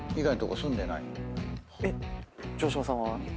えっ城島さんは？